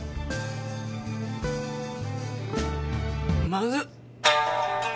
まずっ。